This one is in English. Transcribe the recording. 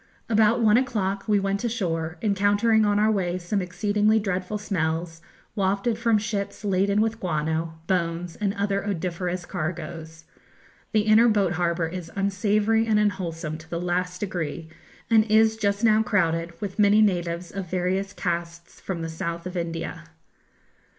About one o'clock we went ashore, encountering on our way some exceedingly dreadful smells, wafted from ships laden with guano, bones, and other odoriferous cargoes. The inner boat harbour is unsavoury and unwholesome to the last degree, and is just now crowded with many natives of various castes from the south of India.